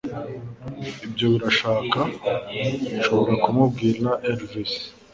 ibyo birashaka. ' nshobora kumubwira 'elves'